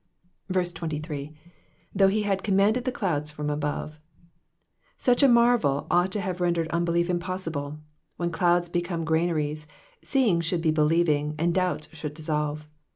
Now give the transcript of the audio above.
23. ^^ Though he had commamled the clouds from above.^* Such a marvel ought to have rendered unbelief impossible : when clouds become granaries, seeing should be believing, and doubts should dissolve.